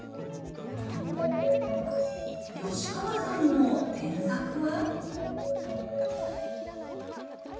吉川さんの添削は？